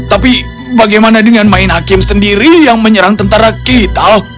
tapi bagaimana dengan main hakim sendiri yang menyerang tentara kita